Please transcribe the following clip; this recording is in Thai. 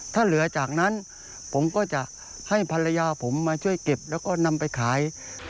ถ้าเหลือจากนั้นผมก็จะให้ภรรยาผมมาช่วยเก็บแล้วก็นำไปขาย